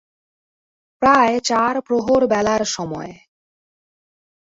প্রায় চার প্রহর বেলার সময়।